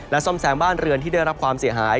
ซ่อมแซมบ้านเรือนที่ได้รับความเสียหาย